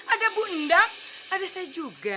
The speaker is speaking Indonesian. ada bunda ada saya juga